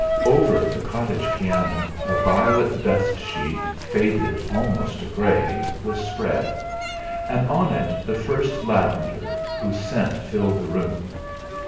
Over the cottage piano a violet dust sheet, faded almost to grey, was spread, and on it the first lavender, whose scent filled the room.